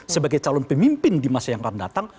sebagai calon pemimpin di masa yang akan datang